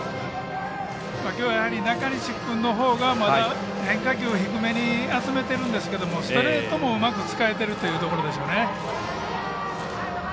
きょうは中西君のほうがまだ変化球低めに集めているんですけどストレートもうまく使えているということでしょうね。